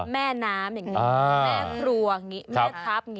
แม่น้ำแม่ครัวแม่ครับ